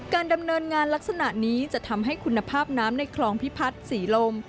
ดำเนินงานลักษณะนี้จะทำให้คุณภาพน้ำในคลองพิพัฒน์ศรีลม